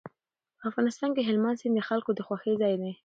په افغانستان کې هلمند سیند د خلکو د خوښې ځای دی.